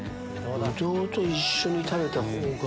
ブドウと一緒に食べた方が。